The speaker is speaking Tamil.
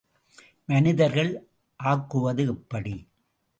மனிதர்கள் ஆக்குவது எப்படி?